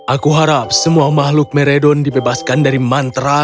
aku harap semua makhluk meredon dibebaskan dari mantra